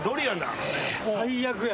最悪や。